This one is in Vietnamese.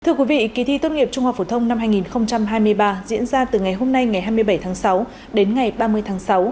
thưa quý vị kỳ thi tốt nghiệp trung học phổ thông năm hai nghìn hai mươi ba diễn ra từ ngày hôm nay ngày hai mươi bảy tháng sáu đến ngày ba mươi tháng sáu